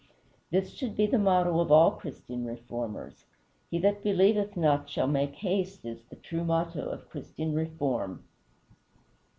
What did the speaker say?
This should be the model of all Christian reformers. He that believeth shall not make haste is the true motto of Christian reform.